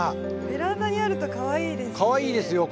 ベランダにあるとかわいいですね。